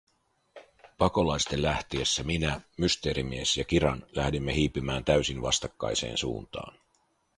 Pakolaisten lähtiessä, minä, Mysteerimies ja Kiran lähdimme hiipimään täysin vastakkaiseen suuntaan: